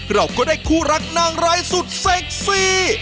เราก็ได้คู่รักนางร้ายสุดเซ็กซี่